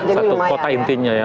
satu kota intinya ya